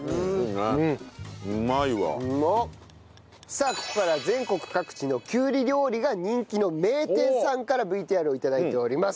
さあここからは全国各地のきゅうり料理が人気の名店さんからＶＴＲを頂いております。